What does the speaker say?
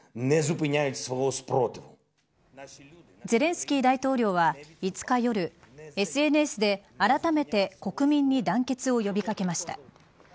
ゼレンスキー大統領は５日夜、ＳＮＳであらためて国民に団結を呼び掛けました。